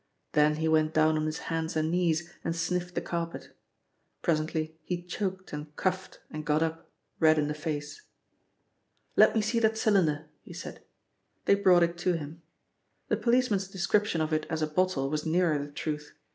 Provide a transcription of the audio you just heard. Then he went down on his hands and knees and sniffed the carpet. Presently he choked and coughed and got up, red in the face. "Let me see that cylinder," he said. They brought it to him. The policeman's description of it as a bottle was nearer the truth.